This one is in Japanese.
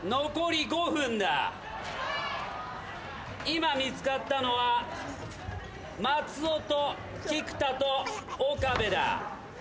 今見つかったのは松尾と菊田と岡部だ。